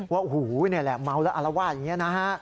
ว่าโอ้โหนี่แหละเมาแล้วอารวาสอย่างนี้นะฮะ